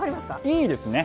いいですね！